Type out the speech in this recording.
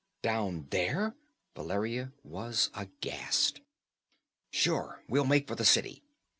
"Down there?" Valeria was aghast. "Sure! We'll make for the city!